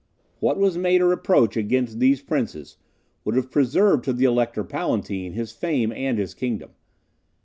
What was made a reproach against these princes would have preserved to the Elector Palatine his fame and his kingdom.